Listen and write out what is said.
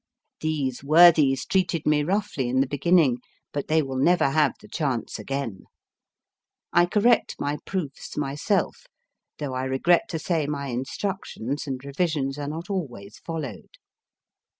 These worthies treated me roughly in the beginning, but they will never have the chance again. I correct my proofs myself, though I regret to say my instructions and revisions are not always followed.